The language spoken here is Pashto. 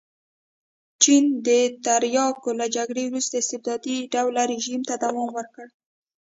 چین د تریاکو له جګړې وروسته استبدادي ډوله رژیم ته دوام ورکړ.